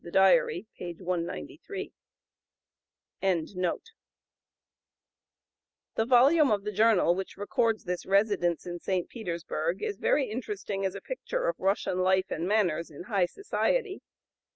Diary, 193.] The volume of the journal which records this residence in St. Petersburg is very interesting as a picture of Russian life and manners in high society.